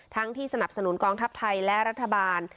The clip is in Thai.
ที่สนับสนุนกองทัพไทยและรัฐบาล